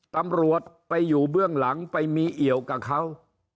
ตำรวจไปอยู่เบื้องหลังไปมีเอี่ยวกับเขา